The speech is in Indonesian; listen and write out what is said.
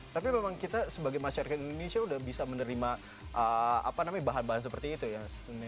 tapi memang kita sebagai masyarakat indonesia sudah bisa menerima bahan bahan seperti itu ya